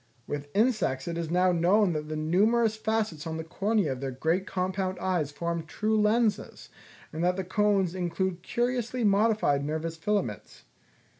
With insects it is now known that the numerous facets on the cornea of their great compound eyes form true lenses, and that the cones include curiously modified nervous filaments.